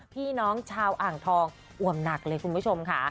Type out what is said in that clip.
พี่น้องชาวอ่างทองอ่วมหนักเลยคุณผู้ชมค่ะ